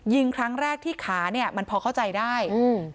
ครั้งแรกที่ขาเนี้ยมันพอเข้าใจได้อืม